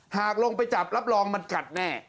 หากลงไปจับรับรองมันกัดแน่